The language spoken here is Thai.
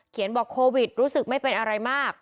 บอกโควิดรู้สึกไม่เป็นอะไรมาก